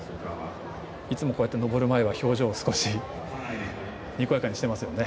いつも、登る前は表情を少しにこやかにしてますよね。